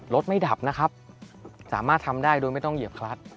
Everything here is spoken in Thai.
รถไม่ดับนะครับสามารถทำได้โดยไม่ต้องเหยียบคลัด